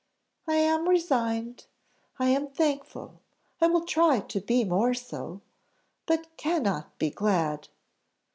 "I am resigned I am thankful I will try to be more so but cannot be glad."